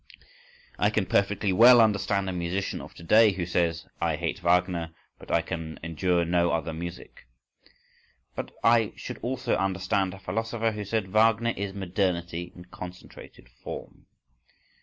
I can perfectly well understand a musician of to day who says: "I hate Wagner but I can endure no other music." But I should also understand a philosopher who said, "Wagner is modernity in concentrated form."